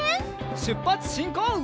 しゅっぱつしんこう！